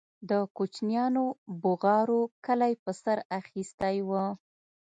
د كوچنيانو بوغارو كلى په سر اخيستى و.